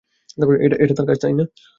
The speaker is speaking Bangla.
এটা তার কাজ, তাই না?